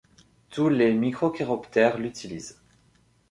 Tous les microchiroptères l'utilisent.